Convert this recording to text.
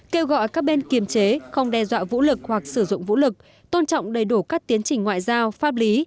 kêu gọi các bên kiềm chế không đe dọa vũ lực hoặc sử dụng vũ lực tôn trọng đầy đủ các tiến trình ngoại giao pháp lý